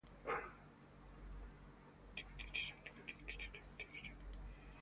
Shortly after, the ship captured a merchantman, the "Duke of York".